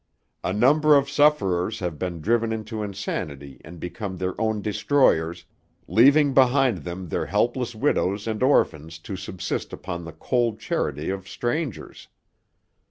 A number of sufferers have been driven into insanity and become their own destroyers, leaving behind them their helpless widows and orphans to subsist upon the cold charity of strangers.